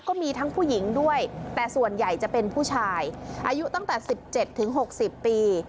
ก็มีทั้งผู้หญิงด้วยแต่ส่วนใหญ่จะเป็นผู้ชายอายุตั้งแต่๑๗๖๐ปี